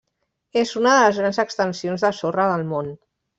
És una de les grans extensions de sorra del món.